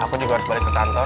aku juga harus balik ke kantor